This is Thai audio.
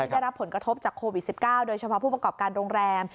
ได้รับผลกระทบจากโควิด๑๙โดยเฉพาะผู้ประกอบการโรงแรม